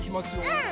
うん！